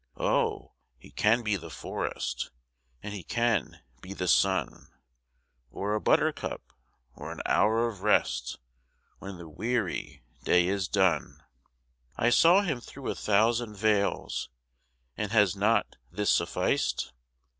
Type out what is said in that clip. Oh, he can be the forest, And he can be the sun, Or a buttercup, or an hour of rest When the weary day is done. I saw him through a thousand veils, And has not this sufficed?